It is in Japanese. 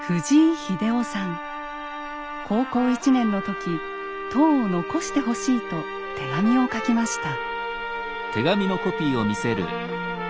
高校１年の時塔を残してほしいと手紙を書きました。